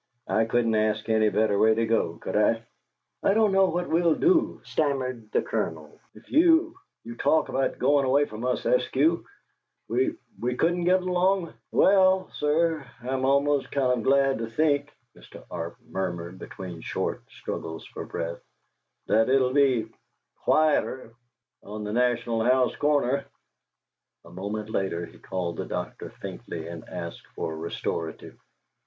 I couldn't ask any better way to go, could I?" "I don't know what we'll do," stammered the Colonel, "if you you talk about goin' away from us, Eskew. We we couldn't get along " "Well, sir, I'm almost kind of glad to think," Mr. Arp murmured, between short struggles for breath, "that it 'll be quieter on the "National House" corner!" A moment later he called the doctor faintly and asked for a restorative.